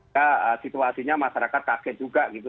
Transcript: ya situasinya masyarakat kaget juga gitu